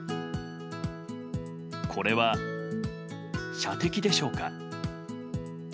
これは射的でしょうか。